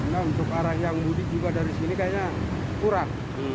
nah untuk arah yang mudik juga dari sini kayaknya kurang